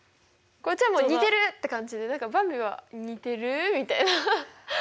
こっちは似てる！って感じでばんびは似てる？みたいな。